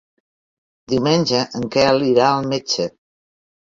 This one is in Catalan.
Diumenge en Quel irà al metge.